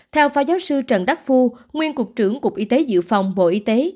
theo phó giáo sư trần đắc phu nguyên cục trưởng cục y tế dự phòng bộ y tế